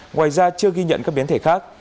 ngoài ra chưa ghi nhận các biến thể khác